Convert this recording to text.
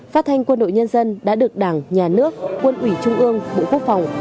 phát thanh quân đội nhân dân đã được đảng nhà nước quân ủy trung ương bộ quốc phòng